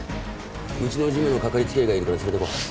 うちのジムのかかりつけ医がいるから連れていこう。